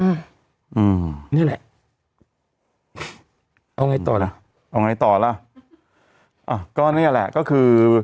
อืมนี่แหละเอาไงต่อล่ะเอาไงต่อล่ะอ่าก็เนี้ยแหละก็คือ